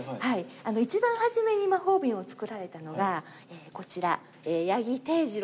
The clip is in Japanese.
一番初めに魔法瓶を作られたのがこちら。